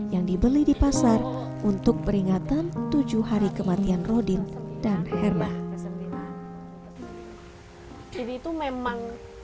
yang dibeli di pasar untuk peringatan tujuh hari kematian rodin dan herma jadi itu memang